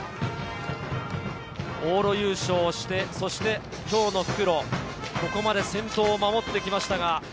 往路優勝して、今日の復路、ここまで先頭を守ってきました。